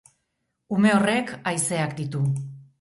Ume horrek haizeak ditu.